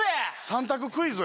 ３択クイズ？